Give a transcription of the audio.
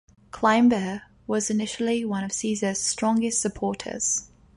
Cimber was initially one of Caesar's strongest supporters.